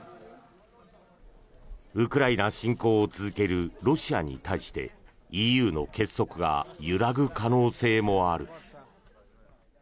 ウクライナ侵攻を続けるロシアに対してＥＵの結束が揺らぐ可能性もある。